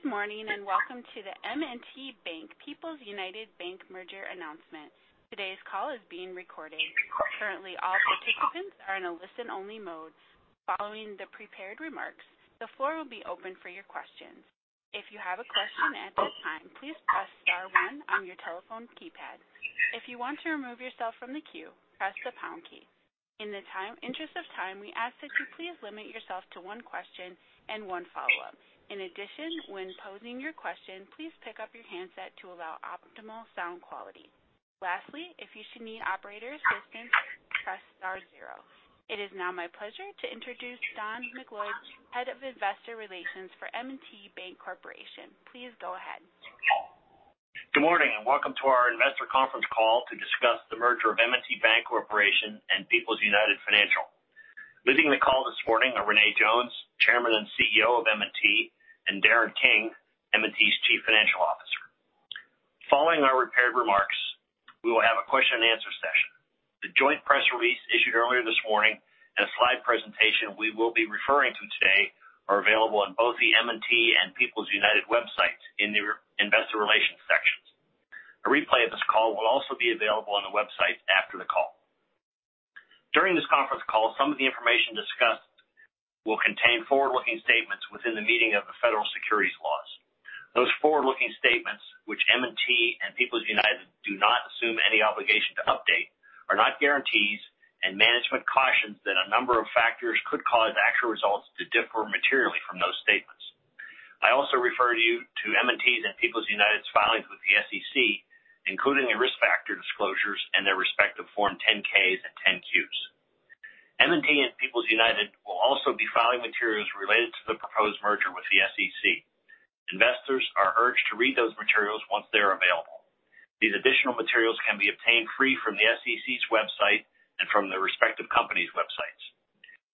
Good morning, and welcome to the M&T Bank, People's United Bank Merger Announcements. Todays call is being recorded. Currently all participants are in a listen only mode. Following the prepared remarks the floor will be open for your questions. If you have a question at this time please press star one on your telephone keypad. If you want to remove yourself from the queue press the pound key. If your time to ask please limit yourself to one question and one follow up. In addition when posing your question please pick up your handset to allow optimal sound quality. Lastly if you need operators assistance press star zero. It is now my pleasure to introduce Don MacLeod, Head of Investor Relations for M&T Bank Corporation. Please go ahead. Good morning, and welcome to our Investor Conference Call to discuss the merger of M&T Bank Corporation and People's United Financial. Leading the call this morning are René Jones, Chairman and CEO of M&T, and Darren King, M&T's Chief Financial Officer. Following our prepared remarks, we will have a question and answer session. The joint press release issued earlier this morning and slide presentation we will be referring to today are available on both the M&T and People's United websites in their investor relations sections. A replay of this call will also be available on the websites after the call. During this conference call, some of the information discussed will contain forward-looking statements within the meaning of the federal securities laws. Those forward-looking statements, which M&T and People's United do not assume any obligation to update, are not guarantees, and management cautions that a number of factors could cause actual results to differ materially from those statements. I also refer you to M&T's and People's United's filings with the SEC, including the risk factor disclosures and their respective Form 10-Ks and 10-Qs. M&T and People's United will also be filing materials related to the proposed merger with the SEC. Investors are urged to read those materials once they're available. These additional materials can be obtained free from the SEC's website and from the respective companies' websites.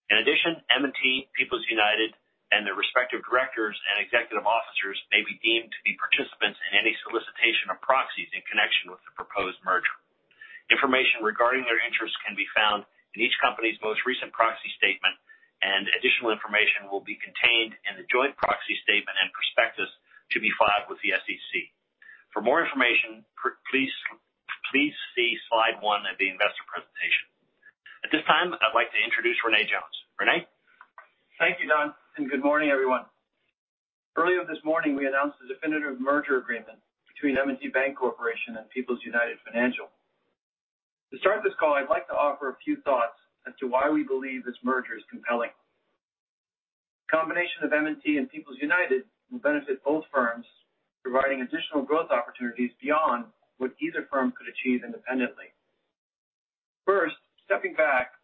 In addition, M&T, People's United, and their respective directors and executive officers may be deemed to be participants in any solicitation of proxies in connection with the proposed merger. Information regarding their interests can be found in each company's most recent proxy statement, and additional information will be contained in the joint proxy statement and prospectus to be filed with the SEC. For more information, please see slide one of the investor presentation. At this time, I'd like to introduce René Jones. René? Thank you, Don. Good morning, everyone. Earlier this morning, we announced a definitive merger agreement between M&T Bank Corporation and People's United Financial. To start this call, I'd like to offer a few thoughts as to why we believe this merger is compelling. The combination of M&T and People's United will benefit both firms, providing additional growth opportunities beyond what either firm could achieve independently. First, stepping back,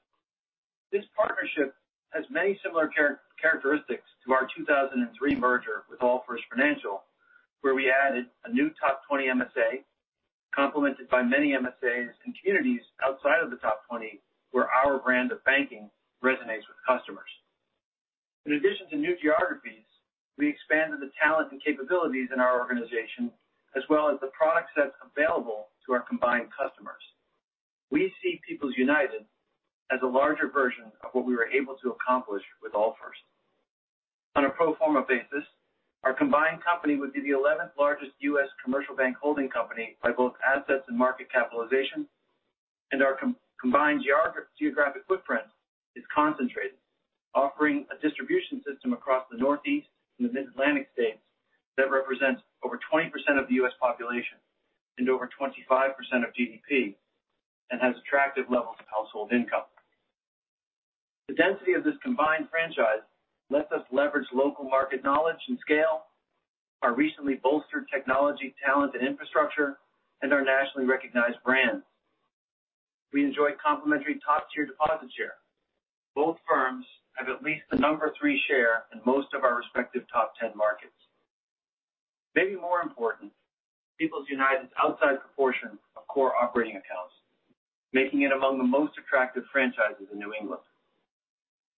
this partnership has many similar characteristics to our 2003 merger with Allfirst Financial, where we added a new top 20 MSA complemented by many MSAs and communities outside of the top 20, where our brand of banking resonates with customers. In addition to new geographies, we expanded the talent and capabilities in our organization as well as the product sets available to our combined customers. We see People's United as a larger version of what we were able to accomplish with Allfirst. On a pro forma basis, our combined company would be the 11th largest U.S. commercial bank holding company by both assets and market capitalization, and our combined geographic footprint is concentrated, offering a distribution system across the Northeast and the Mid-Atlantic states that represents over 20% of the U.S. population and over 25% of GDP and has attractive levels of household income. The density of this combined franchise lets us leverage local market knowledge and scale, our recently bolstered technology talent and infrastructure, and our nationally recognized brands. We enjoy complementary top-tier deposit share. Both firms have at least the number three share in most of our respective top 10 markets. Maybe more important, People's United's outsized proportion of core operating accounts, making it among the most attractive franchises in New England.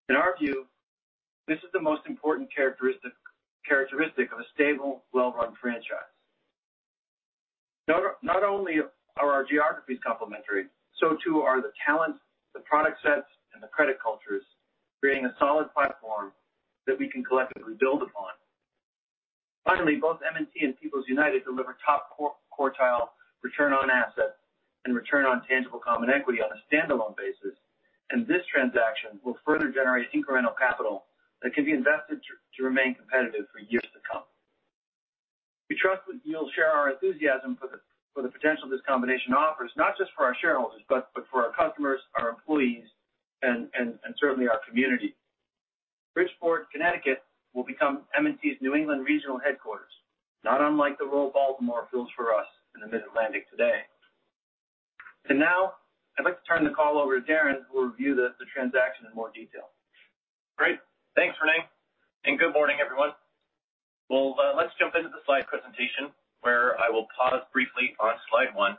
In our view, this is the most important characteristic of a stable, well-run franchise. Not only are our geographies complementary, so too are the talents, the product sets, and the credit cultures, creating a solid platform that we can collectively build upon. Finally, both M&T and People's United deliver top quartile return on assets and return on tangible common equity on a standalone basis, and this transaction will further generate incremental capital that can be invested to remain competitive for years to come. We trust that you'll share our enthusiasm for the potential this combination offers, not just for our shareholders, but for our customers, our employees, and certainly our community. Bridgeport, Connecticut will become M&T's New England regional headquarters, not unlike the role Baltimore fills for us in the Mid-Atlantic today. Now, I'd like to turn the call over to Darren, who will review the transaction in more detail. Great. Thanks, René, and good morning, everyone. Well, let's jump into the slide presentation where I will pause briefly on slide one.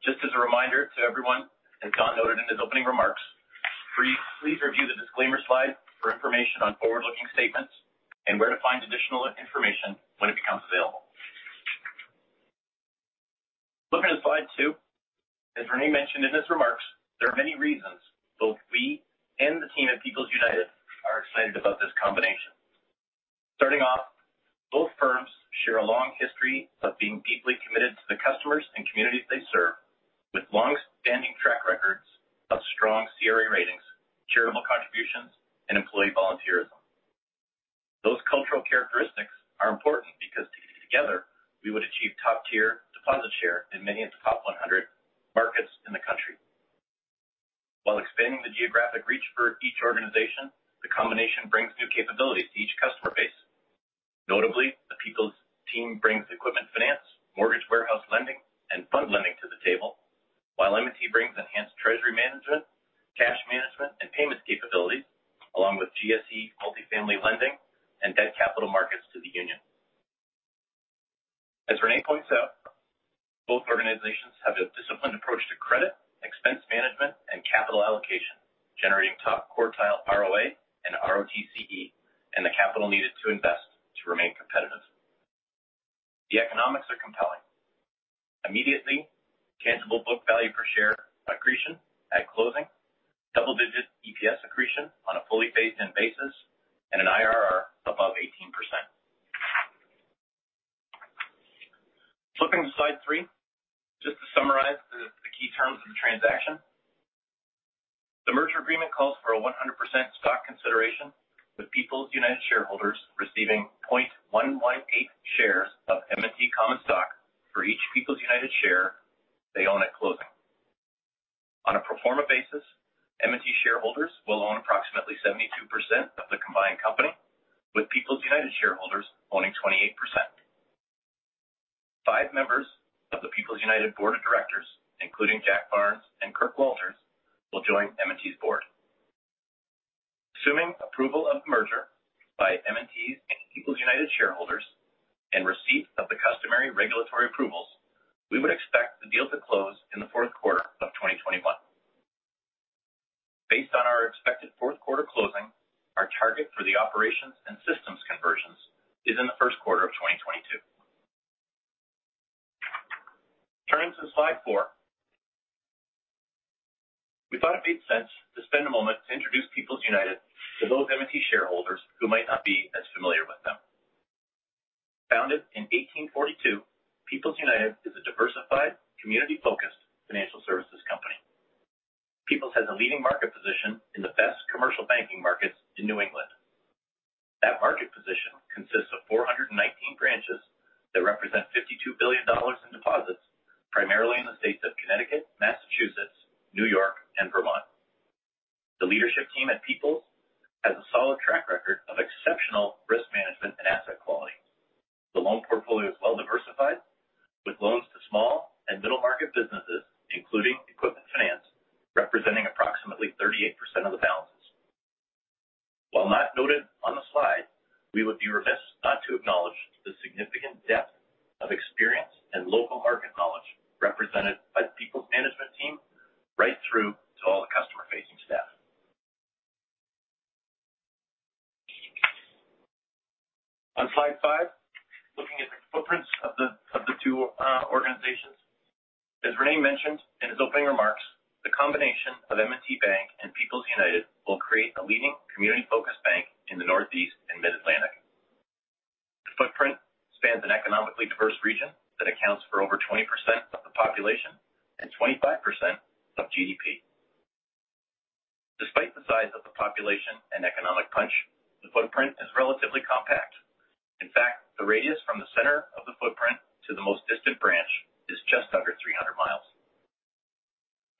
Just as a reminder to everyone, as Don noted in his opening remarks, please review the disclaimer slide for information on forward-looking statements and where to find additional information when it becomes Two, as René mentioned in his remarks, there are many reasons both we and the team at People's United are excited about this combination. Starting off, both firms share a long history of being deeply committed to the customers and communities they serve, with longstanding track records of strong CRA ratings, charitable contributions, and employee volunteerism. Those cultural characteristics are important because together we would achieve top-tier deposit share in many of the top 100 markets in the country. While expanding the geographic reach for each organization, the combination brings new capabilities to each customer base. Notably, the People's team brings equipment finance, mortgage warehouse lending, and fund lending to the table, while M&T brings enhanced treasury management, cash management, and payments capabilities, along with GSE multifamily lending and debt capital markets to the union. As René points out, both organizations have a disciplined approach to credit, expense management, and capital allocation, generating top quartile ROA and ROTCE and the capital needed to invest to remain competitive. The economics are compelling. Immediately, tangible book value per share accretion at closing, double-digit EPS accretion on a fully phased-in basis, and an IRR above 18%. Flipping to slide three, just to summarize the key terms of the transaction. The merger agreement calls for a 100% stock consideration, with People's United shareholders receiving 0.118 shares of M&T common stock for each People's United share they own at closing. On a pro forma basis, M&T shareholders will own approximately 72% of the combined company, with People's United shareholders owning 28%. Five members of the People's United Board of Directors, including Jack Barnes and Kirk Walters, will join M&T's board. Assuming approval of the merger by M&T's and People's United shareholders and receipt of the customary regulatory approvals, we would expect the deal to close in the Q4 of 2021. Based on our expected Q4 closing, our target for the operations and systems conversions is in the Q1 of 2022. Turning to slide four. We thought it made sense to spend a moment to introduce People's United to those M&T shareholders who might not be as familiar with them. Founded in 1842, People's United is a diversified, community-focused financial services company. People's has a leading market position in the best commercial banking markets in New England. That market position consists of 419 branches that represent $52 billion in deposits, primarily in the states of Connecticut, Massachusetts, New York, and Vermont. The leadership team at People's has a solid track record of exceptional risk management and asset quality. The loan portfolio is well-diversified with loans to small and middle-market businesses, including equipment finance, representing approximately 38% of the balances. While not noted on the slide, we would be remiss not to acknowledge the significant depth of experience and local market knowledge represented by the People's management team right through to all the customer-facing staff. On slide five, looking at the footprints of the two organizations. As René mentioned in his opening remarks, the combination of M&T Bank and People's United will create a leading community-focused bank in the Northeast and mid-Atlantic. The footprint spans an economically diverse region that accounts for over 20% of the population and 25% of GDP. Despite the size of the population and economic punch, the footprint is relatively compact. In fact, the radius from the center of the footprint to the most distant branch is just under 300 miles.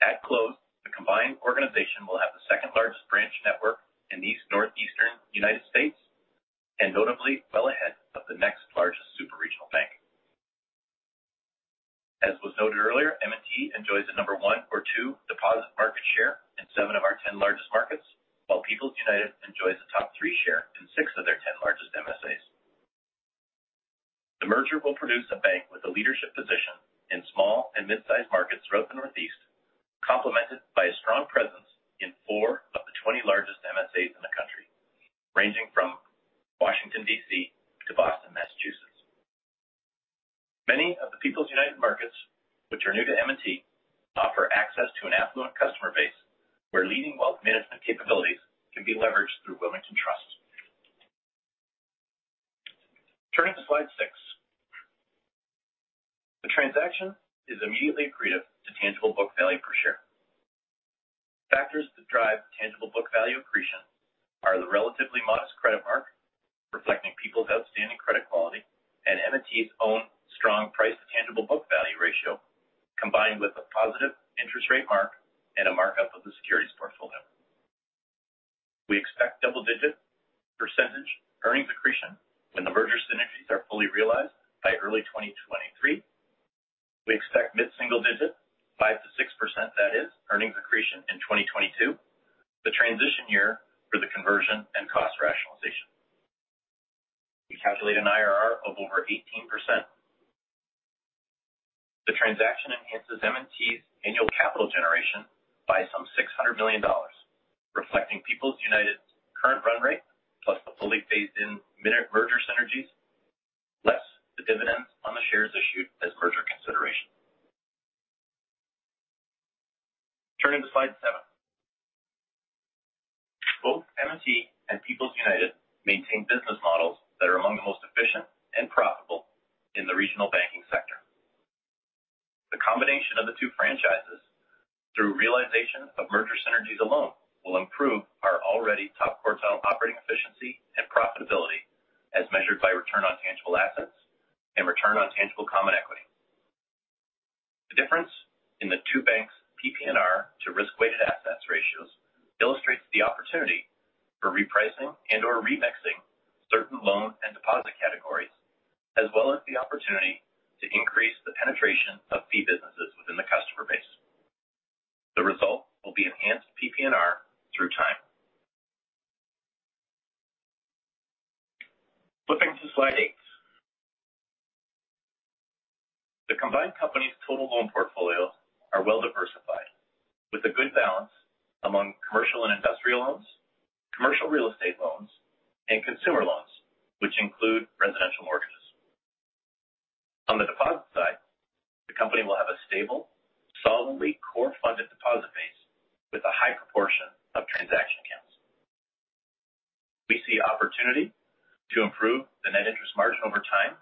At close, the combined organization will have the second largest branch network in the Northeastern U.S. Notably, well ahead of the next largest superregional bank. As was noted earlier, M&T enjoys the number one or two deposit market share in seven of our 10 largest markets, while People's United enjoys a top three share in six of their 10 largest MSAs. The merger will produce a bank with a leadership position in small and mid-size markets throughout the Northeast, complemented by a strong presence in four of the 20 largest MSAs in the country, ranging from Washington, D.C., to Boston, Massachusetts. Many of the People's United markets, which are new to M&T, offer access to an affluent customer base where leading wealth management capabilities can be leveraged through Wilmington Trust. Turning to slide six. The transaction is immediately accretive to tangible book value per share. Factors that drive tangible book value accretion are the relatively modest credit mark, reflecting People's outstanding credit quality, and M&T's own strong price-to-tangible book value ratio, combined with a positive interest rate mark and a markup of the securities portfolio. We expect double-digit percentage earnings accretion when the merger synergies are fully realized by early 2023. We expect mid-single digit, 5%-6% that is, earnings accretion in 2022, the transition year for the conversion and cost rationalization. We calculate an IRR of over 18%. The transaction enhances M&T's annual capital generation by some $600 million. Reflecting People's United's current run rate plus the fully phased in merger synergies, less the dividends on the shares issued as merger consideration. Turning to slide seven. Both M&T and People's United maintain business models that are among the most efficient and profitable in the regional banking sector. The combination of the two franchises through realization of merger synergies alone will improve our already top quartile operating efficiency and profitability as measured by return on tangible assets and return on tangible common equity. The difference in the two banks' PPNR to risk-weighted assets ratios illustrates the opportunity for repricing and/or remixing certain loan and deposit categories, as well as the opportunity to increase the penetration of fee businesses within the customer base. The result will be enhanced PPNR through time. Flipping to slide eight. The combined company's total loan portfolios are well-diversified, with a good balance among commercial and industrial loans, commercial real estate loans, and consumer loans, which include residential mortgages. On the deposit side, the company will have a stable, solidly core funded deposit base with a high proportion of transaction accounts. We see opportunity to improve the net interest margin over time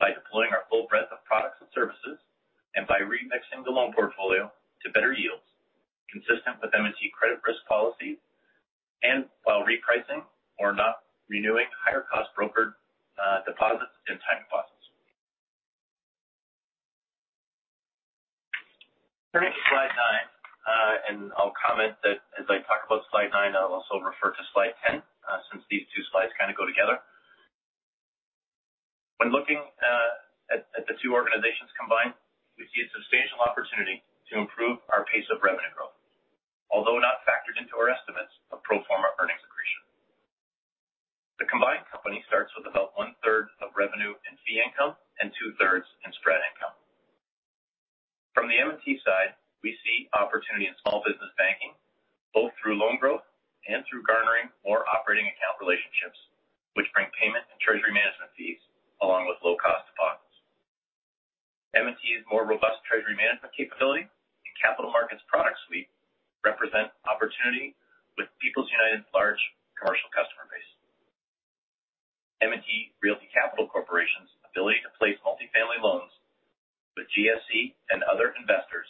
by deploying our full breadth of products and services and by remixing the loan portfolio to better yields consistent with M&T credit risk policy and while repricing or not renewing higher cost brokered deposits and time deposits. Turning to slide nine, and I'll comment that as I talk about slide nine, I'll also refer to slide 10, since these two slides kind of go together. When looking at the two organizations combined, we see a substantial opportunity to improve our pace of revenue growth. Although not factored into our estimates of pro forma earnings accretion. The combined company starts with about one-third of revenue and fee income and two-thirds in spread income. From the M&T side, we see opportunity in small business banking, both through loan growth and through garnering more operating account relationships, which bring payment and treasury management fees along with low cost deposits. M&T's more robust treasury management capability and capital markets product suite represent opportunity with People's United large commercial customer base. M&T Realty Capital Corporation's ability to place multifamily loans with GSE and other investors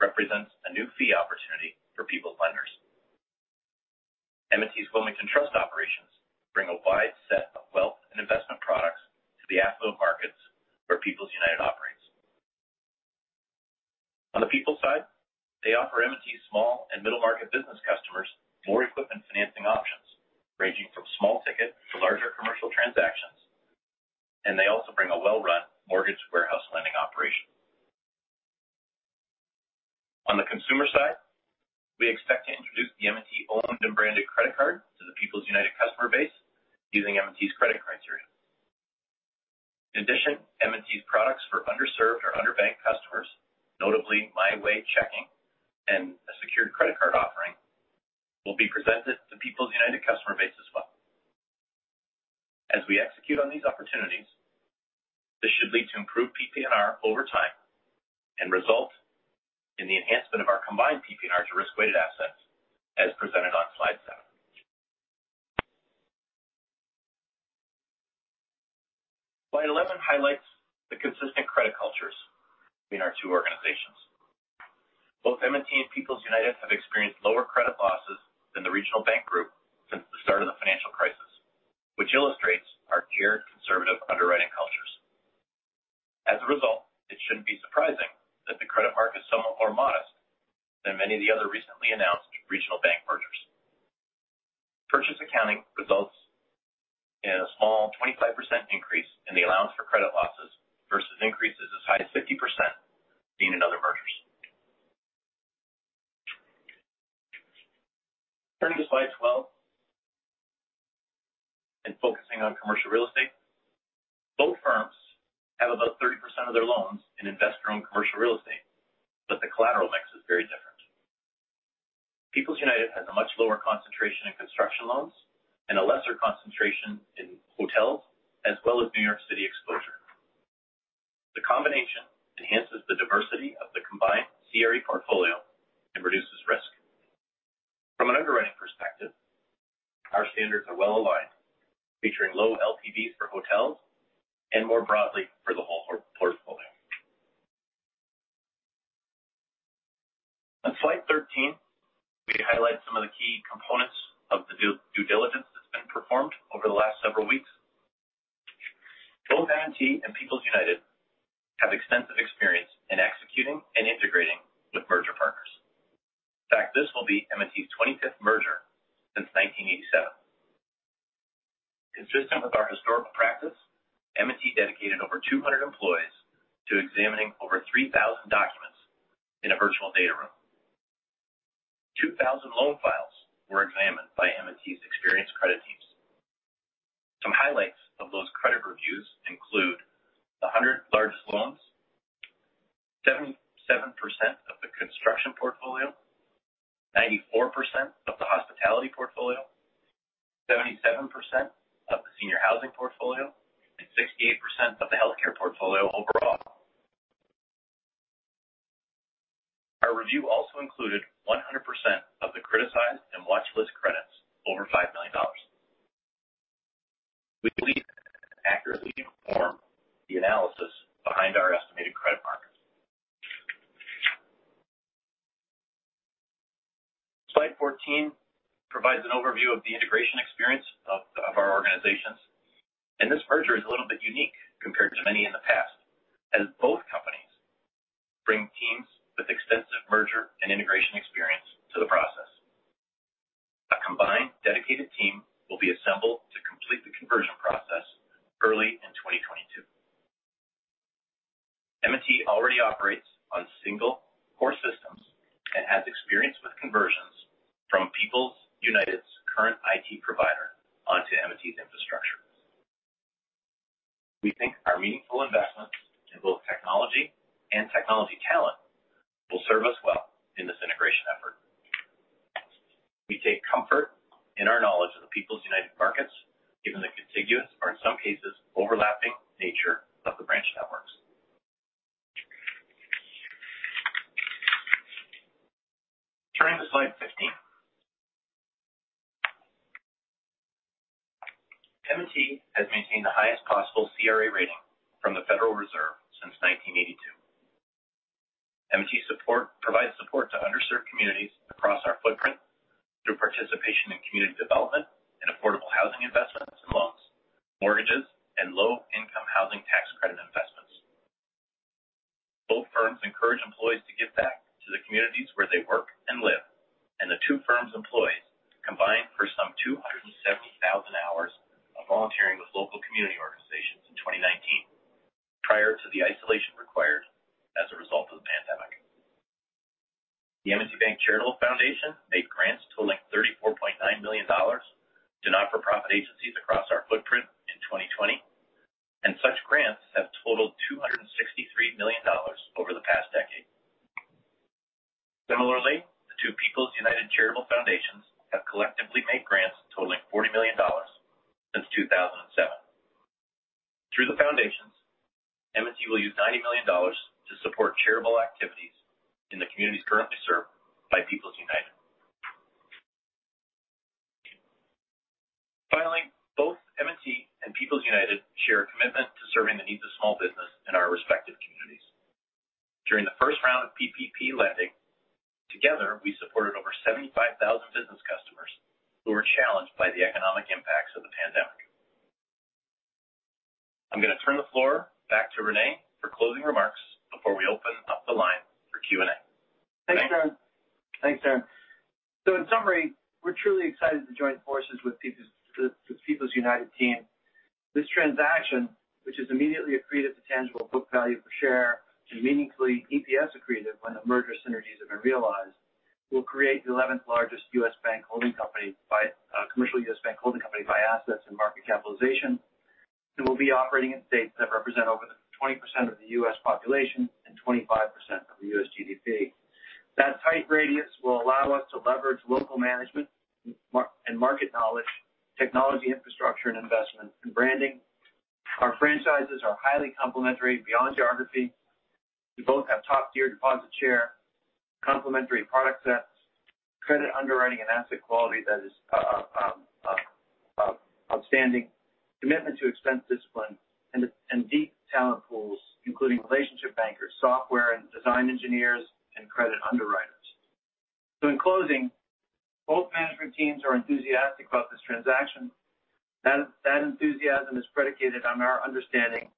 represents a new fee opportunity for People's lenders. M&T's Wilmington Trust operations bring a wide set of wealth and investment products to the affluent markets where People's United operates. On the People's side, they offer M&T small and middle-market business customers more equipment financing options ranging from small ticket to larger commercial transactions, and they also bring a well-run we highlight some of the key components of the due diligence that's been performed over the last several weeks. Both M&T and People's United have extensive experience in executing and integrating with merger partners. In fact, this will be M&T's 25th merger since 1987. Consistent with our historical practice, M&T dedicated over 200 employees to examining over 3,000 documents in a virtual data room. 2,000 loan files were examined by M&T's experienced credit teams. Some highlights of those credit reviews include 7% of the construction portfolio, 94% of the hospitality portfolio, 77% of the senior housing portfolio, and 68% of the healthcare portfolio overall. Our review also included 100% of the criticized and watchlist credits over $5 million. We believe accurately inform the analysis behind our estimated credit markers. Slide 14 provides an overview of the integration experience of our organizations. This merger is a little bit unique compared to many in the past, as both companies bring teams with extensive merger and integration experience to the process. A combined dedicated team will be assembled to complete the conversion process early in 2022. M&T already operates on single core systems and has experience with conversions from People's United's current IT provider onto M&T's infrastructure. We think our meaningful investments in both technology and technology talent will serve us well in this integration effort. We take comfort in our knowledge of the People's United markets, given the contiguous, or in some cases, overlapping nature of the branch networks. Turning to slide 15. M&T has maintained the highest possible CRA rating from the Federal Reserve since 1982. M&T provides support to underserved communities across our footprint through participation in community development and affordable housing investments and loans, mortgages, and Low-Income Housing Tax Credit investments. Both firms encourage employees to give back to the communities where they work and live, and the two firms' employees combined for some 270,000 hours of volunteering with local community organizations in 2019, prior to the isolation required as a result of the pandemic. The M&T Charitable Foundation made grants totaling $34.9 million to not-for-profit agencies across our footprint in 2020, and such grants have totaled $263 million over the past decade. Similarly, the two People's United charitable foundations have collectively made grants totaling $40 million since 2007. Through the foundations, M&T will use $90 million to support charitable activities in the communities currently served by People's United. Finally, both M&T and People's United share a commitment to serving the needs of small business in our respective communities. During the first round of PPP lending, together, we supported over 75,000 business customers who were challenged by the economic impacts of the pandemic. I'm going to turn the floor back to René for closing remarks before we open up the line for Q&A. Thanks, Darren. In summary, we're truly excited to join forces with People's United team. This transaction, which is immediately accretive to tangible book value per share to meaningfully EPS accretive when the merger synergies have been realized, will create the 11th largest commercial U.S. bank holding company by assets and market capitalization, and will be operating in states that represent over 20% of the U.S. population and 25% of the U.S. GDP. That tight radius will allow us to leverage local management and market knowledge, technology infrastructure and investment, and branding. Our franchises are highly complementary beyond geography. We both have top-tier deposit share, complementary product sets, credit underwriting, and asset quality that is outstanding, commitment to expense discipline, and deep talent pools, including relationship bankers, software and design engineers, and credit underwriters. In closing, both management teams are enthusiastic about this transaction. That enthusiasm is predicated on our understanding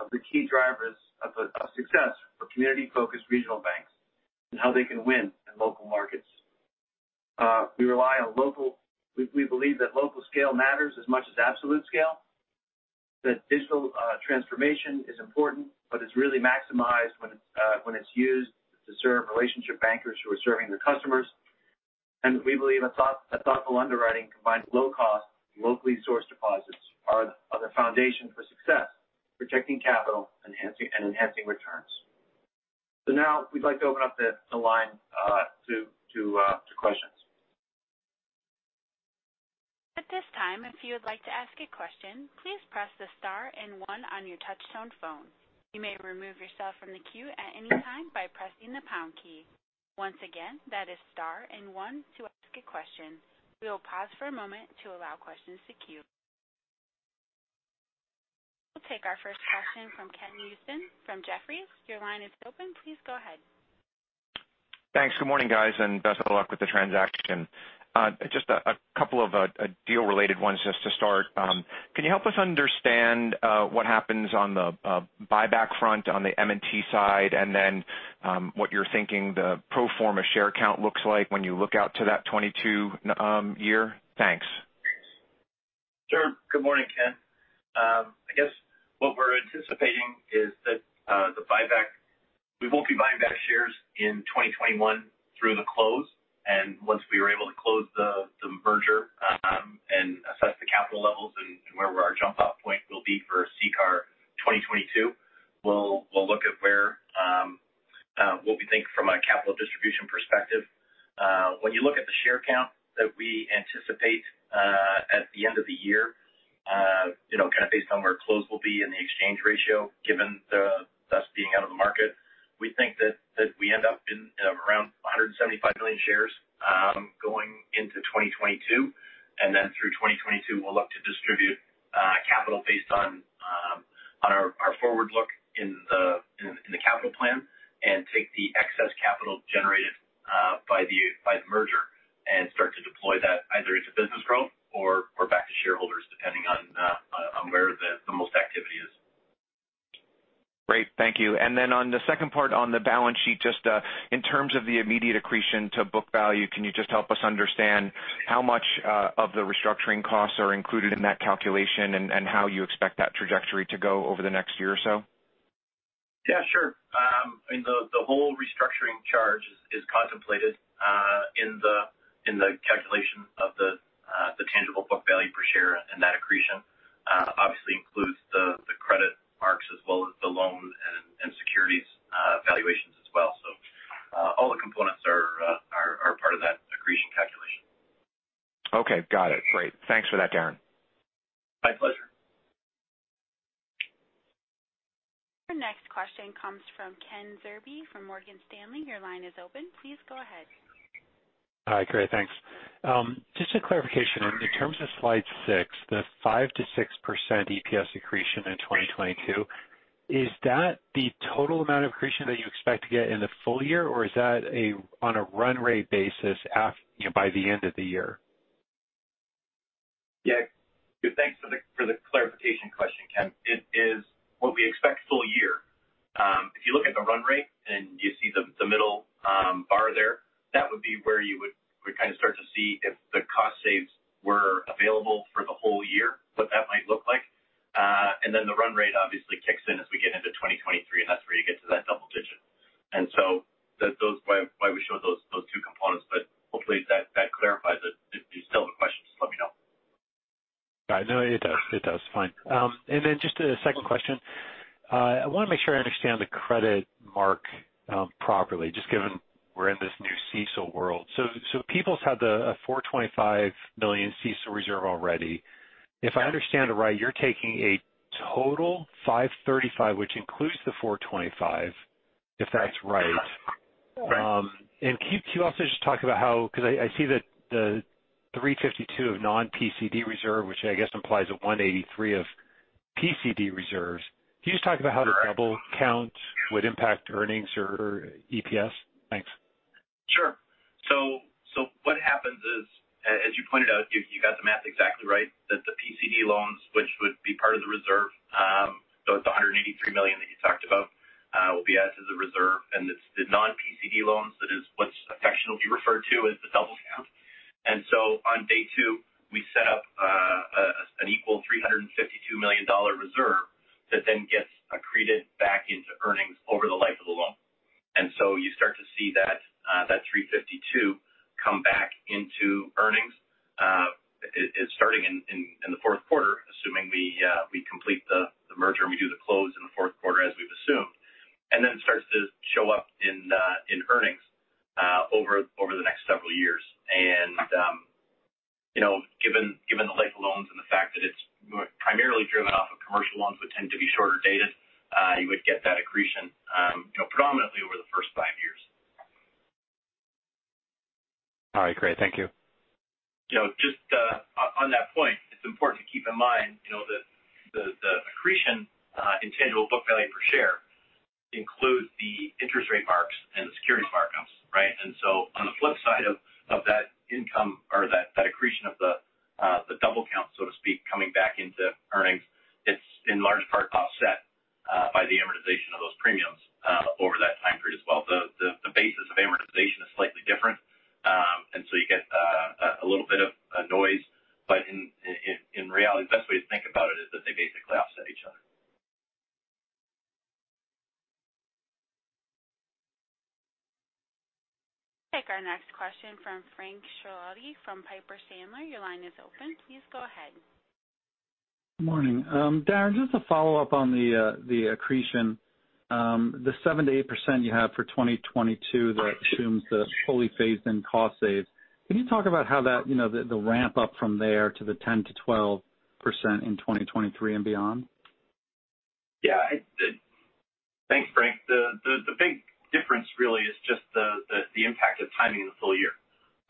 of the key drivers of success for community-focused regional banks and how they can win in local markets. We believe that local scale matters as much as absolute scale, that digital transformation is important, but it's really maximized when it's used to serve relationship bankers who are serving their customers. We believe a thoughtful underwriting combined with low cost, locally sourced deposits are the foundation for success, protecting capital and enhancing returns. Now we'd like to open up the line to questions. We'll take our first question from Ken Usdin from Jefferies. Your line is open. Please go ahead. Thanks. Good morning, guys, and best of luck with the transaction. Just a couple of deal related ones just to start. Can you help us understand what happens on the buyback front on the M&T side, and then what you're thinking the pro forma share count looks like when you look out to that 2022 year? Thanks. Sure. Good morning, Ken. I guess what we're anticipating is that we won't be buying back shares in 2021 through the close. Once we are able to close the merger, and Capital levels and where our jump off point will be for CCAR 2022. We'll look at what we think from a capital distribution perspective. When you look at the share count that we anticipate at the end of the year, kind of based on where close will be in the exchange ratio, given the U.S. being out of the market, we think that we end up in around 175 million shares going into 2022. Then through 2022, we'll look to distribute capital based on our forward look in the capital plan and take the excess capital generated by the merger and start to deploy that either into business growth or back to shareholders, depending on where the most activity is. Great, thank you. Then on the second part on the balance sheet, just in terms of the immediate accretion to book value, can you just help us understand how much of the restructuring costs are included in that calculation and how you expect that trajectory to go over the next year or so? Yeah, sure. The whole restructuring charge is contemplated in the calculation of the tangible book value per share. That accretion obviously includes the credit marks as well as the loan and securities valuations as well. All the components are part of that accretion calculation. Okay. Got it. Great. Thanks for that, Darren. My pleasure. Our next question comes from Ken Zerbe from Morgan Stanley. Your line is open. Please go ahead. Hi. Great. Thanks. Just a clarification in terms of slide six, the 5%-6% EPS accretion in 2022, is that the total amount of accretion that you expect to get in the full year? Or is that on a run rate basis by the end of the year? Thanks for the clarification question, Ken. It is what we expect full year. If you look at the run rate and you see the middle bar there, that would be where you would kind of start to see if the cost saves were available for the whole year, what that might look like. The run rate obviously kicks in as we get into 2023, and that's where you get to that double digit. That's why we show those two components. Hopefully that clarifies it. If you still have a question, just let me know. No, it does. Fine. Just a second question. I want to make sure I understand the credit mark properly, just given we're in this new CECL world. People's had a $425 million CECL reserve already. If I understand it right, you're taking a total $535 million, which includes the $425 million, if that's right. Right. Because I see that the $352 million of non-PCD reserve, which I guess implies a $183 million of PCD reserves. Can you just talk about how the double count would impact earnings or EPS? Thanks. Sure. What happens is, as you pointed out, you got the math exactly right, that the PCD loans, which would be part of the reserve, it's the $183 million that you talked about will be added as a reserve. It's the non-PCD loans that is what affectionately referred to as the double count. On day two, we set up an equal $352 million reserve that gets accreted back into earnings over the life of the loan. You start to see that $352 million come back into earnings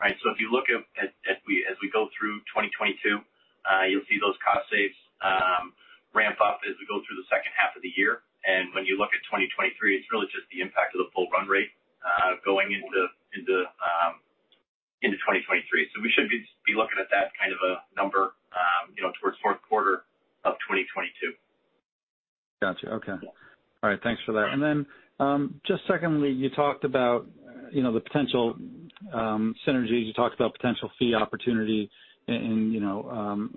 right? If you look at as we go through 2022, you'll see those cost saves ramp up as we go through the H2 of the year. When you look at 2023, it's really just the impact of the full run rate going into 2023. We should be looking at that kind of a number towards Q4 of 2022. Got you. Okay. All right, thanks for that. Then just secondly, you talked about the potential synergies. You talked about potential fee opportunity in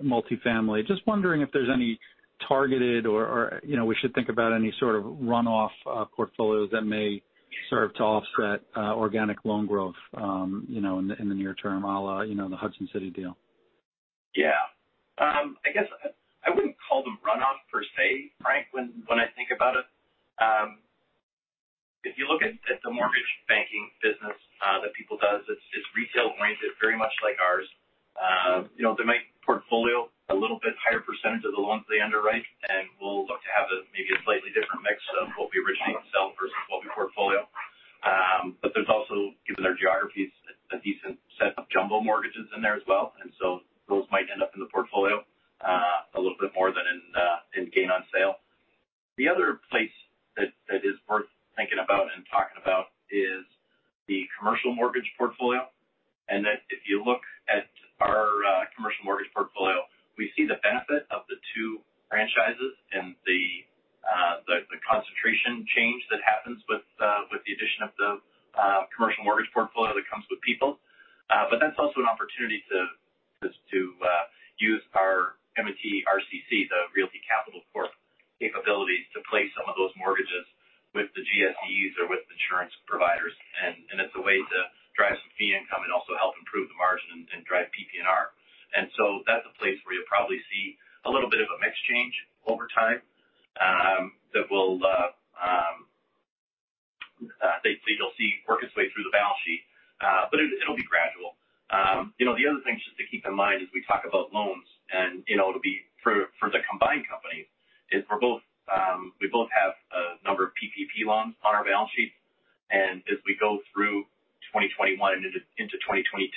multifamily. Just wondering if there's any targeted or we should think about any sort of runoff portfolios that may serve to offset organic loan growth in the near term, the Hudson City deal? Yeah. I guess I wouldn't call them runoff per se, Frank, when I think about it. If you look at the mortgage banking business that People's United does, it's retail-oriented very much like ours. They might portfolio a little bit higher percentage of the loans they underwrite, we'll look to have maybe a slightly different mix of what we originate sell versus what we portfolio. There's also, given our geographies, a decent set of jumbo mortgages in there as well, those might end up in the portfolio a little bit more than in gain on sale. The other place that is worth thinking about and talking about is the commercial mortgage portfolio. That if you look at our commercial mortgage portfolio, we see the benefit of the two franchises and the concentration change that happens with the addition of the commercial mortgage portfolio that comes with People's United. That's also an opportunity to use our M&T RCC, the Realty Capital Corporation capabilities to place some of those mortgages with the GSEs or with insurance providers. It's a way to drive some fee income and also help improve the margin and drive PPNR. That's a place where you'll probably see a little bit of a mix change over time that you'll see work its way through the balance sheet. It'll be gradual. The other thing just to keep in mind as we talk about loans and it'll be for the combined company is we both have a number of PPP loans on our balance sheets. As we go through 2021 and into 2022,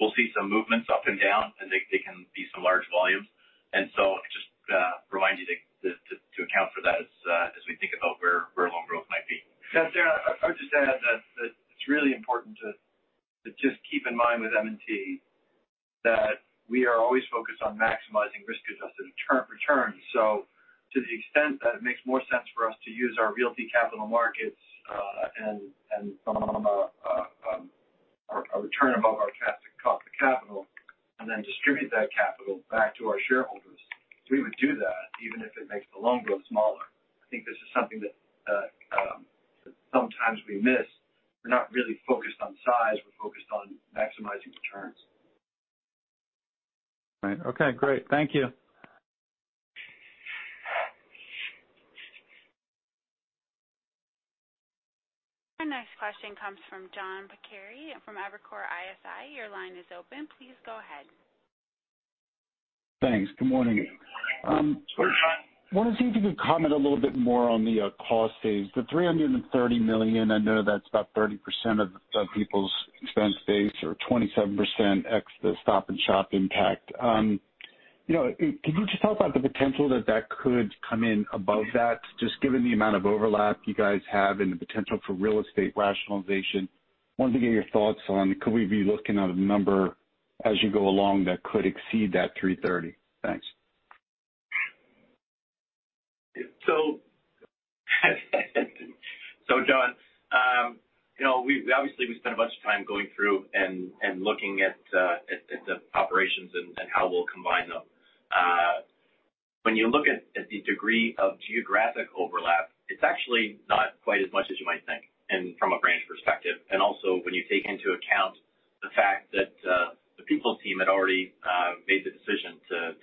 we'll see some movements up and down, and they can be some large volumes. Just remind you to account for that as we think about where loan growth might be. Yeah. Darren, I would just add that it's really important to just keep in mind with M&T that we are always focused on maximizing risk-adjusted returns. To the extent that it makes more sense for us to use our realty capital markets and a return above our cost of capital and then distribute that capital back to our shareholders, we would do that even if it makes the loan growth smaller. I think this is something that sometimes we miss. We're not really focused on size. We're focused on maximizing returns. Right. Okay, great. Thank you. Our next question comes from John Pancari from Evercore ISI. Your line is open. Please go ahead. Thanks. Good morning. I wanted to see if you could comment a little bit more on the cost phase. The $330 million, I know that's about 30% of People's expense base or 27% ex the Stop & Shop impact. Can you just talk about the potential that that could come in above that, just given the amount of overlap you guys have and the potential for real estate rationalization? Wanted to get your thoughts on could we be looking at a number as you go along that could exceed that $330 million. Thanks. John, obviously we spent a bunch of time going through and looking at the operations and how we'll combine them. When you look at the degree of geographic overlap, it's actually not quite as much as you might think and from a branch perspective. Also when you take into account the fact that the People team had already made the decision to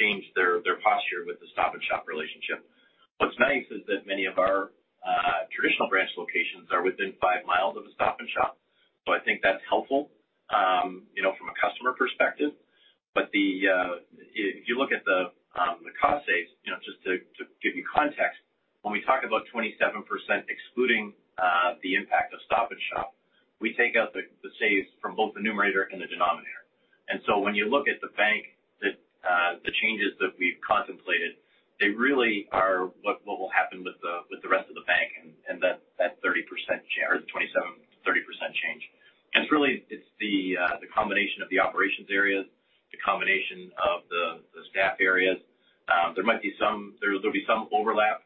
change their posture with the Stop & Shop relationship. What's nice is that many of our traditional branch locations are within five miles of a Stop & Shop, so I think that's helpful from a customer perspective. If you look at the cost saves, just to give you context, when we talk about 27% excluding the impact of Stop & Shop, we take out the saves from both the numerator and the denominator. When you look at the bank, the changes that we've contemplated, they really are what will happen with the rest of the bank and that 30% or 27%-30% change. It's really the combination of the operations areas, the combination of the staff areas. There'll be some overlap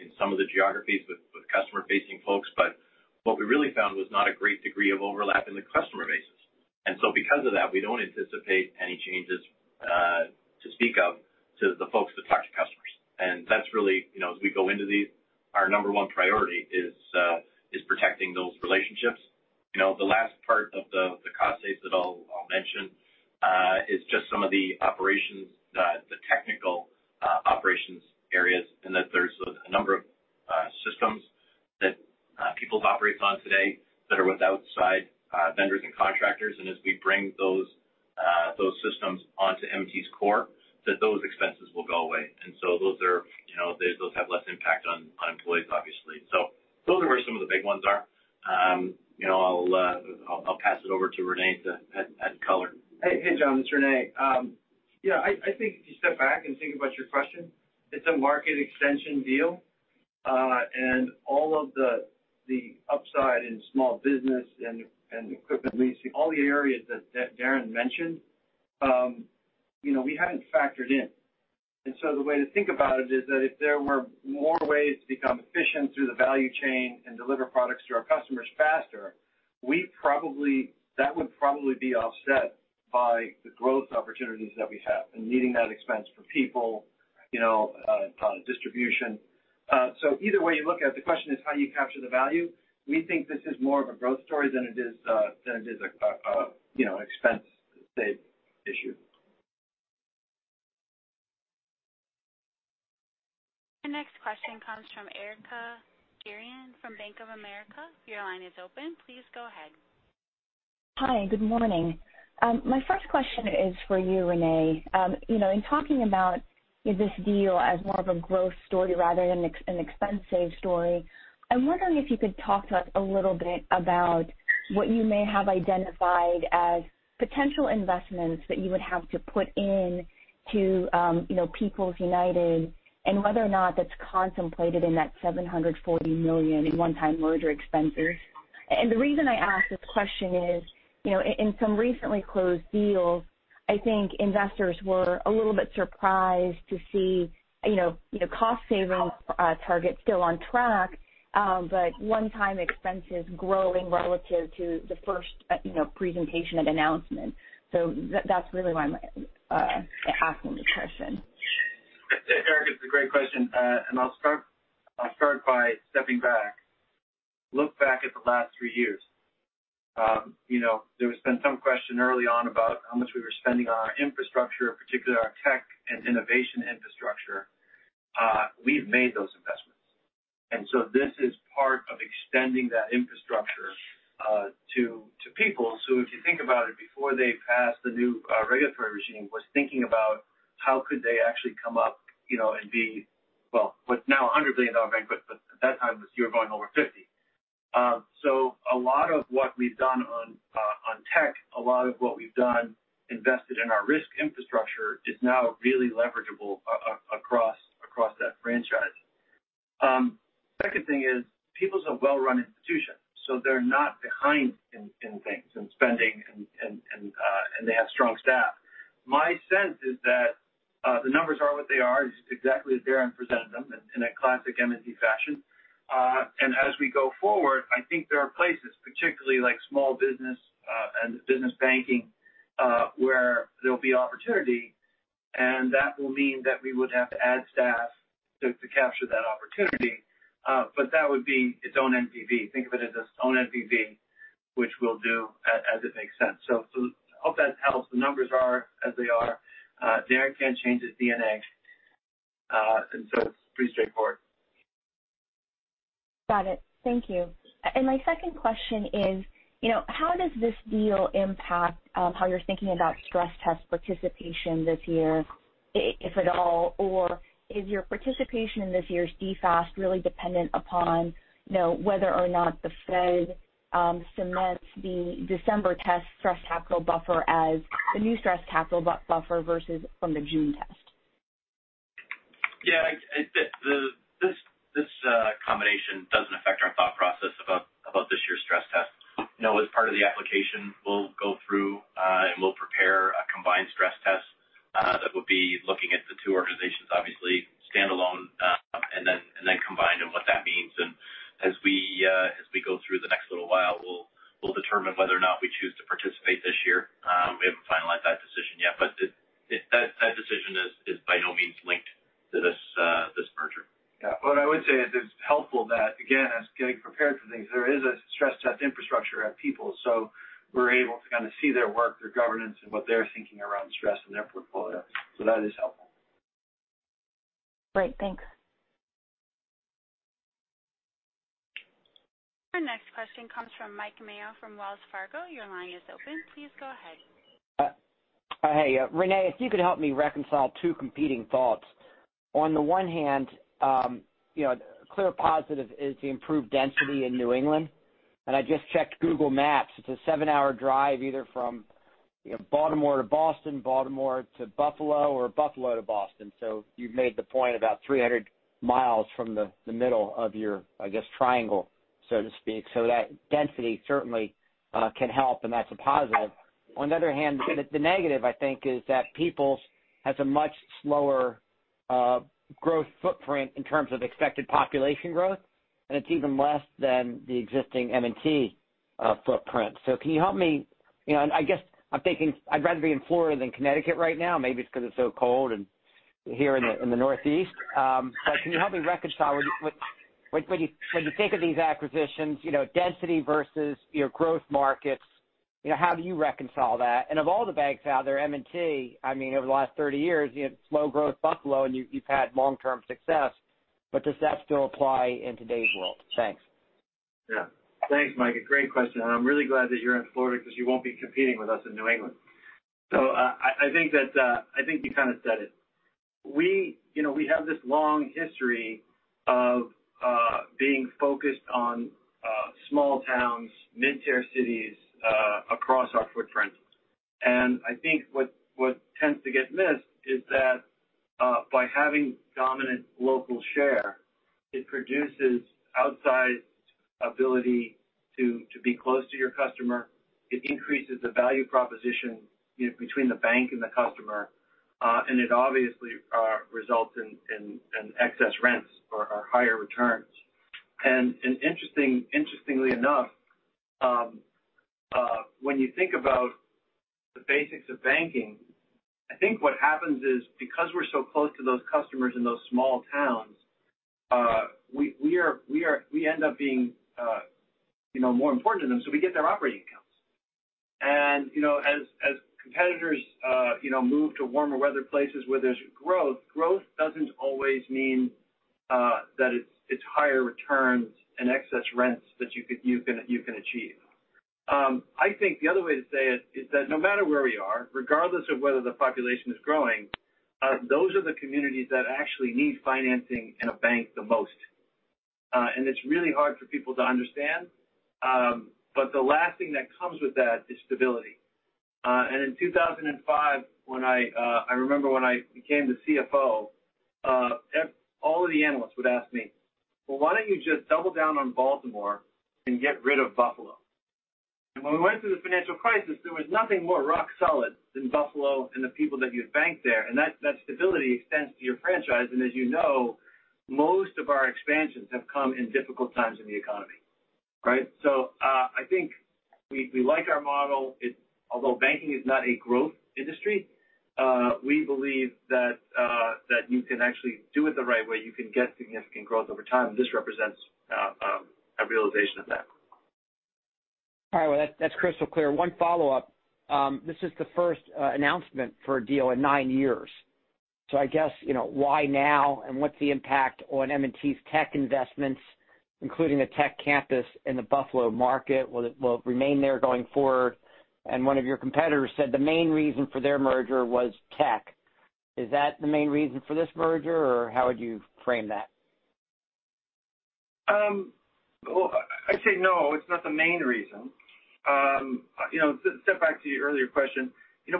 in some of the geographies with customer-facing folks. What we really found was not a great degree of overlap in the customer bases. Because of that, we don't anticipate any changes to speak of to the folks that talk to customers. That's really as we go into these, our number one priority is protecting those relationships. The last part of the cost saves that I'll mention is just some of the operations, the technical operations areas, and that there's a number of systems that People operates on today that are with outside vendors and contractors. As we bring those systems onto M&T's core, that those expenses will go away. Those have less impact on employees, obviously. Those are where some of the big ones are. I'll pass it over to René to add color. Hey, John, it's René. I think if you step back and think about your question, it's a market extension deal. All of the upside in small business and equipment leasing, all the areas that Darren mentioned we hadn't factored in. The way to think about it is that if there were more ways to become efficient through the value chain and deliver products to our customers faster, that would probably be offset by the growth opportunities that we have in meeting that expense for People's United, distribution. Either way you look at it, the question is how you capture the value. We think this is more of a growth story than it is a expense save issue. The next question comes from Erika Najarian from Bank of America. Your line is open. Please go ahead. Hi. Good morning. My first question is for you, René. In talking about this deal as more of a growth story rather than an expense save story, I'm wondering if you could talk to us a little bit about what you may have identified as potential investments that you would have to put in to People's United, and whether or not that's contemplated in that $740 million in one-time merger expenses. The reason I ask this question is, in some recently closed deals, I think investors were a little bit surprised to see cost savings targets still on track, but one-time expenses growing relative to the first presentation and announcement. That's really why I'm asking this question. Erika, it's a great question. I'll start by stepping back. Look back at the last three years. There has been some question early on about how much we were spending on our infrastructure, particularly our tech and innovation infrastructure. We've made those investments. This is part of extending that infrastructure to People's. If you think about it, before they passed the new regulatory regime, was thinking about how could they actually come up and be, well, what's now a $100 billion bank, but at that time this year, going over 50. A lot of what we've done on tech, a lot of what we've done invested in our risk infrastructure is now really leverageable across that franchise. Second thing is, People's is a well-run institution, so they're not behind in things, in spending, and they have strong staff. My sense is that the numbers are what they are. It's exactly as Darren presented them in a classic M&T fashion. As we go forward, I think there are places, particularly like small business and business banking, where there'll be opportunity, and that will mean that we would have to add staff to capture that opportunity. That would be its own NPV. Think of it as its own NPV, which we'll do as it makes sense. Hope that helps. The numbers are as they are. Darren can't change his DNA. It's pretty straightforward. Got it. Thank you. My second question is, how does this deal impact how you're thinking about stress test participation this year, if at all, or is your participation in this year's DFAST really dependent upon whether or not the Fed cements the December test stress capital buffer as the new stress capital buffer versus from the June test? Yeah. This combination doesn't affect our thought process about this year's stress test. As part of the application, we'll go through, and we'll prepare a combined stress test that will be looking at the two organizations, obviously standalone, and then combined and what that means. As we go through the next little while, we'll determine whether or not we choose to participate this year. We haven't finalized that decision yet, but that decision is by no means linked to this merger. Yeah. What I would say is it's helpful that, again, as Gary prepared for things, there is a stress test infrastructure at People's United, so we're able to kind of see their work, their governance, and what they're thinking around stress in their portfolio. That is helpful. Great. Thanks. Our next question comes from Mike Mayo from Wells Fargo. Your line is open. Please go ahead. Hey, René, if you could help me reconcile two competing thoughts. On the one hand, clear positive is the improved density in New England. I just checked Google Maps. It's a seven-hour drive either from Baltimore to Boston, Baltimore to Buffalo, or Buffalo to Boston. You've made the point about 300 miles from the middle of your triangle, so to speak. That density certainly can help, and that's a positive. On the other hand, the negative, I think is that People's has a much slower growth footprint in terms of expected population growth, and it's even less than the existing M&T footprint. Can you help me, I'm thinking I'd rather be in Florida than Connecticut right now. Maybe it's because it's so cold here in the Northeast. Can you help me reconcile when you think of these acquisitions, density versus your growth markets, how do you reconcile that? Of all the banks out there, M&T, over the last 30 years, you had slow growth Buffalo, and you've had long-term success. Does that still apply in today's world? Thanks. Yeah. Thanks, Mike. A great question. I'm really glad that you're in Florida because you won't be competing with us in New England. I think you kind of said it. We have this long history of being focused on small towns, mid-tier cities across our footprint. I think what tends to get missed is that by having dominant local share, it produces outsized ability to be close to your customer. It increases the value proposition between the bank and the customer. It obviously results in excess rents or higher returns. Interestingly enough, when you think about the basics of banking, I think what happens is because we're so close to those customers in those small towns, we end up being more important to them, so we get their operating accounts. As competitors move to warmer weather places where there's growth doesn't always mean that it's higher returns and excess rents that you can achieve. I think the other way to say it is that no matter where we are, regardless of whether the population is growing, those are the communities that actually need financing in a bank the most. It's really hard for people to understand, but the last thing that comes with that is stability. In 2005, I remember when I became the CFO, all of the analysts would ask me, "Well, why don't you just double down on Baltimore and get rid of Buffalo?" When we went through the financial crisis, there was nothing more rock solid than Buffalo and the people that you bank there, and that stability extends to your franchise. As you know, most of our expansions have come in difficult times in the economy. Right? I think we like our model. Although banking is not a growth industry, we believe that you can actually do it the right way. You can get significant growth over time, and this represents a realization of that. All right. Well, that's crystal clear. One follow-up. This is the first announcement for a deal in nine years. I guess, why now and what's the impact on M&T's tech investments, including the tech campus in the Buffalo market? Will it remain there going forward? One of your competitors said the main reason for their merger was tech. Is that the main reason for this merger, or how would you frame that? I'd say no, it's not the main reason. To step back to your earlier question,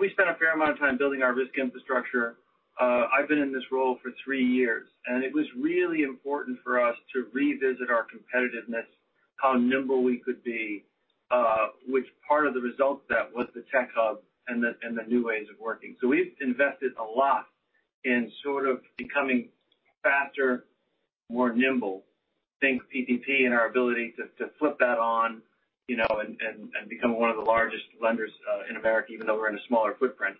we spent a fair amount of time building our risk infrastructure. I've been in this role for three years, and it was really important for us to revisit our competitiveness, how nimble we could be, which part of the result set was the tech hub and the new ways of working. We've invested a lot in sort of becoming faster, more nimble. Think PPP and our ability to flip that on and become one of the largest lenders in America, even though we're in a smaller footprint.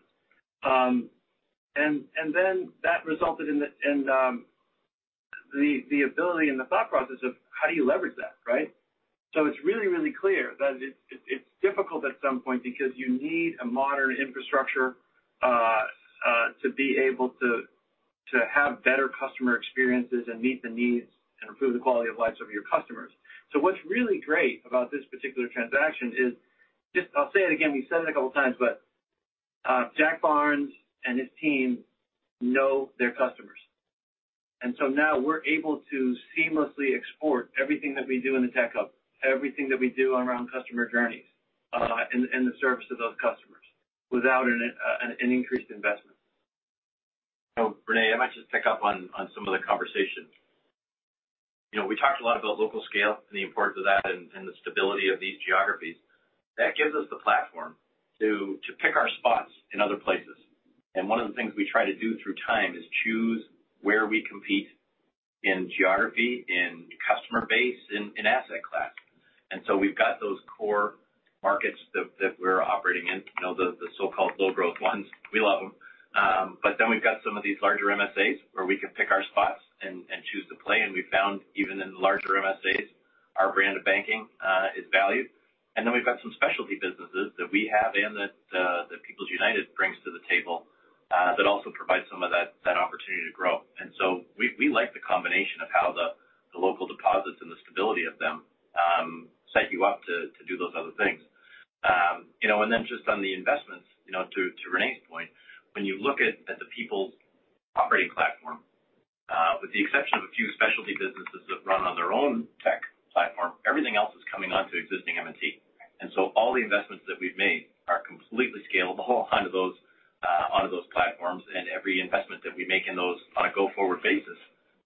That resulted in the ability and the thought process of how do you leverage that, right? It's really, really clear that it's difficult at some point because you need a modern infrastructure to be able to have better customer experiences and meet the needs and improve the quality of lives of your customers. What's really great about this particular transaction is just, I'll say it again, we've said it a couple of times, but Jack Barnes and his team know their customers. Now we're able to seamlessly export everything that we do in the tech hub, everything that we do around customer journeys, and the service of those customers without an increased investment. René, I might just pick up on some of the conversation. We talked a lot about local scale and the importance of that and the stability of these geographies. That gives us the platform to pick our spots in other places. One of the things we try to do through time is choose where we compete in geography, in customer base, in asset class. We've got those core markets that we're operating in. The so-called low-growth ones. We love them. We've got some of these larger MSAs where we can pick our spots and choose to play. We've found even in the larger MSAs, our brand of banking is valued. We've got some specialty businesses that we have and that People's United brings to the table that also provide some of that opportunity to grow. We like the combination of how the local deposits and the stability of them set you up to do those other things. Just on the investments, to René's point, when you look at the People's operating platform, with the exception of a few specialty businesses that run on their own tech platform, everything else is coming onto existing M&T. All the investments that we've made are completely scalable onto those platforms, and every investment that we make in those on a go-forward basis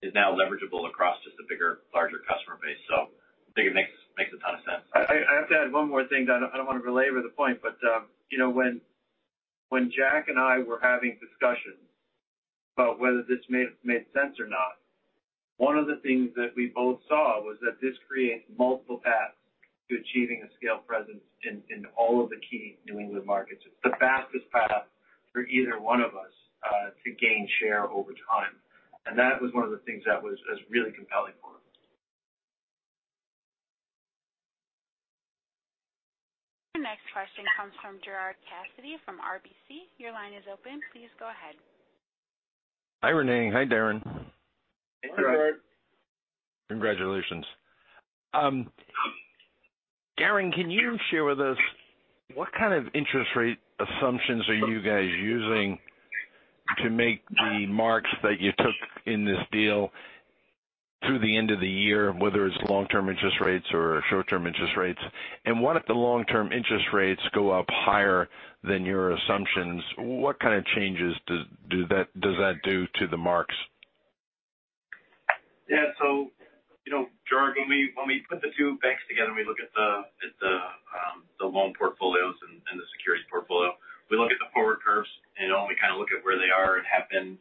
is now leverageable across just a bigger, larger customer base. I think it makes a ton of sense. I have to add one more thing. I don't want to belabor the point, but when Jack and I were having discussions about whether this made sense or not, one of the things that we both saw was that this creates multiple paths to achieving a scale presence in all of the key New England markets. It's the fastest path for either one of us to gain share over time. That was one of the things that was really compelling for us. Your next question comes from Gerard Cassidy from RBC. Your line is open. Please go ahead. Hi, René. Hi, Darren. Hi, Gerard. Hi. Congratulations. Darren, can you share with us what kind of interest rate assumptions are you guys using to make the marks that you took in this deal through the end of the year, whether it's long-term interest rates or short-term interest rates? What if the long-term interest rates go up higher than your assumptions? What kind of changes does that do to the marks? When we put the two banks together and we look at the loan portfolios and the securities portfolio, we look at the forward curves and we look at where they are and have been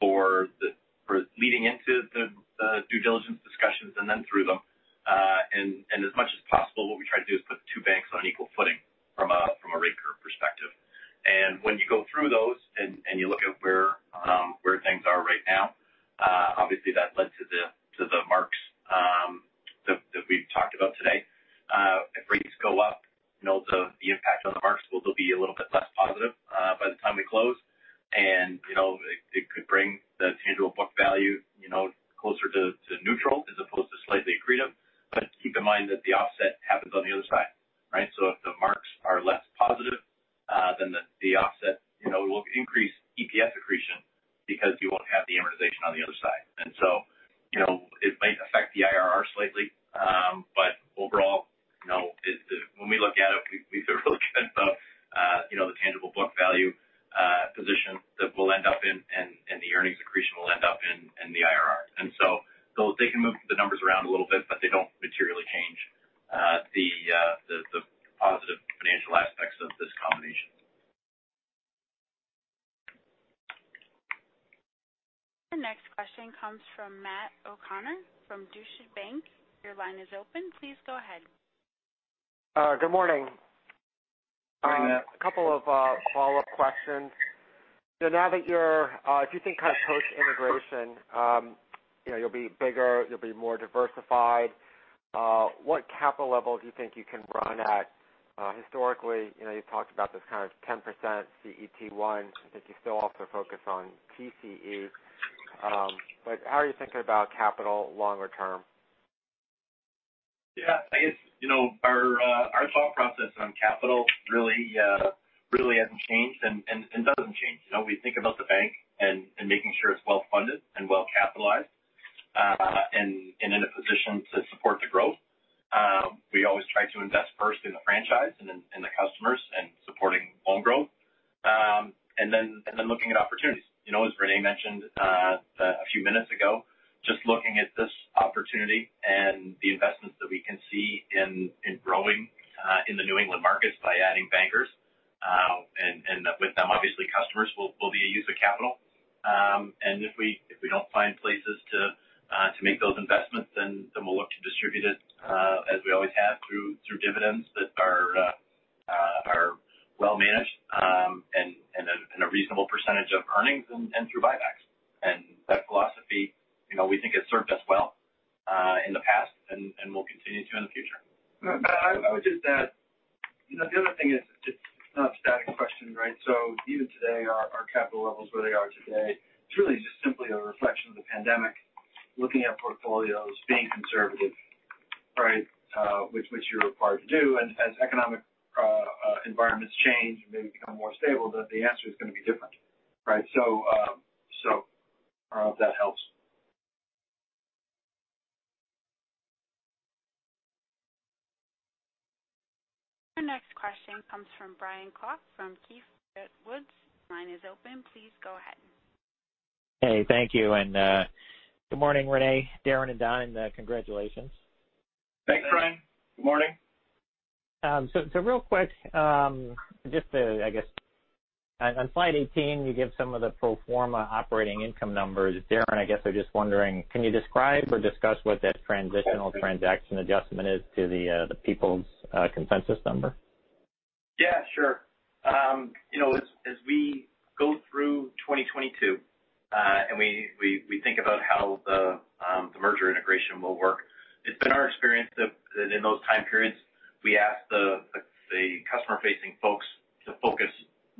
for leading into the due diligence discussions and then through them. As much as possible, what we try to do is put the two banks on equal footing from a rate curve perspective. When you go through those and you look at where things are right now, obviously that led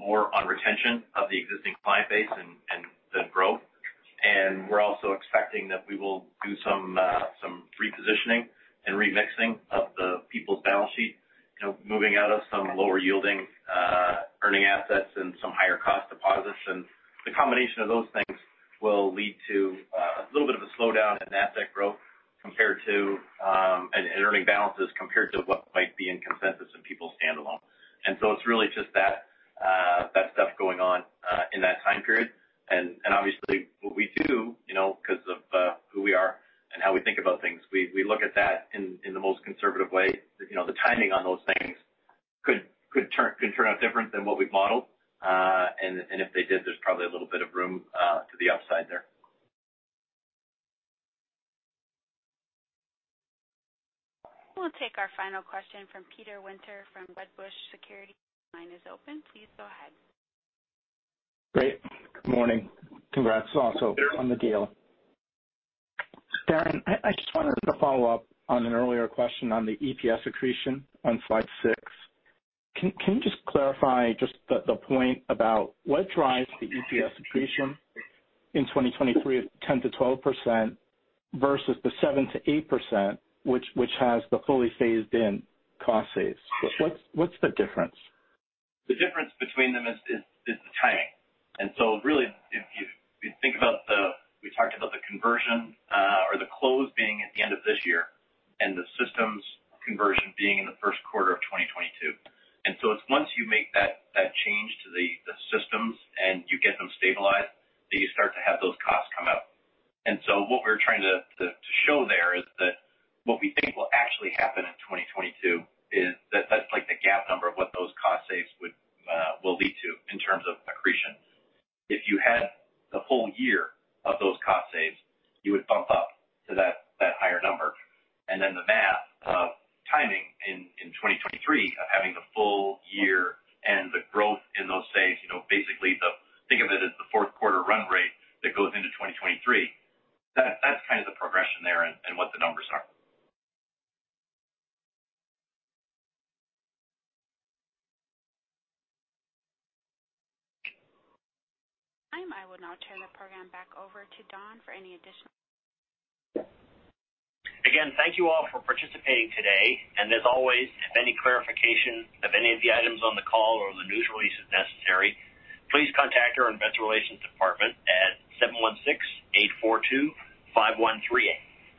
more on retention of the existing client base than growth. We're also expecting that we will do some repositioning and remixing of the People's balance sheet, moving out of some lower yielding earning assets and some higher cost deposits. The combination of those things will lead to a little bit of a slowdown in asset growth and earning balances compared to what might be in consensus in People's standalone. It's really just that stuff going on in that time period. Obviously what we do, because of who we are and how we think about things, we look at that in the most conservative way. The timing on those things could turn out different than what we've modeled. If they did, there's probably a little bit of room to the upside there. We'll take our final question from Peter Winter from Wedbush Securities. Line is open. Please go ahead. Great. Good morning. Congrats also on the deal. Darren, I just wanted to follow up on an earlier question on the EPS accretion on slide six. Can you just clarify just the point about what drives the EPS accretion in 2023 of 10%-12% versus the 7%-8%, which has the fully phased-in cost saves? What's the difference? The difference between them is the timing. Really, if you think about, we talked about the conversion or the close being at the end of this year and the systems conversion being in the first quarter of 2022. It's once you make that change to the systems and you get them stabilized that you start to have those costs come out. What we're trying to show there is that what we think will actually happen in 2022 is that that's like the GAAP number of what those cost saves will lead to in terms of accretion. If you had the full year of those cost saves, you would bump up to that higher number. The math of timing in 2023 of having the full-year and the growth in those saves, basically think of it as the fourth quarter run rate that goes into 2023. That's kind of the progression there and what the numbers are. I will now turn the program back over to Don. Again, thank you all for participating today. As always, if any clarification of any of the items on the call or the news release is necessary, please contact our investor relations department at 716-842-5138.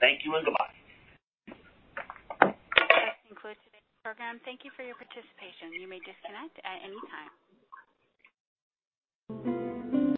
Thank you and goodbye. This concludes today's program. Thank you for your participation. You may disconnect at any time.